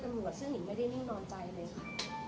ตำรวจซึ่งหนึ่งไม่ได้นิ่งนอนใจเลยค่ะ